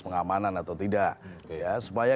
pengamanan atau tidak supaya